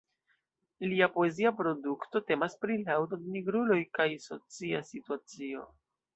Lia poezia produkto temas pri laŭdo de "nigruloj kaj socia situacio".